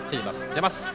出ます。